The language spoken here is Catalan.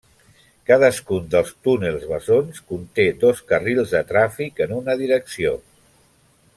Cadascun dels túnels bessons conté dos carrils de tràfic en una direcció.